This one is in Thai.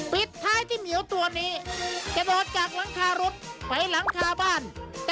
ปิดท้ายที่เหมียวตัวนี้กระโดดจากหลังคารถไปหลังคาบ้าน